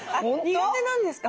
苦手なんですか？